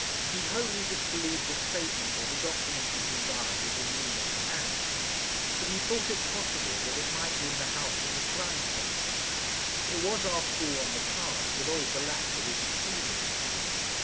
He wholly disbelieved the statement that the document he desired was in Nina's hands, but he thought it possible that it might be in the house in the Kleinseite. It was, after all, on the cards that old Balatka was deceiving him.